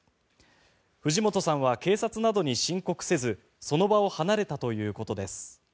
藤本さんは警察などに申告せずその場を離れたということです。